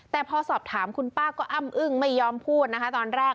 แต่พอสอบถามคุณป้าก็อ้ำอึ้งไม่ยอมพูดนะคะตอนแรก